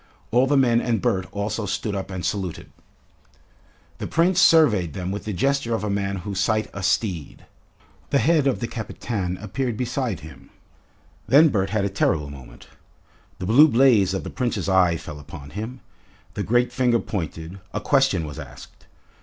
All the men and Bert also stood up and saluted. The Prince surveyed them with the gesture of a man who site a steed. The head of the Kapitan appeared beside him. Then Bert had a terrible moment. The blue blaze of the Prince's eye fell upon him, the great finger pointed, a question was asked.